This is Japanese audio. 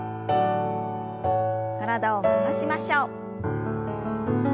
体を回しましょう。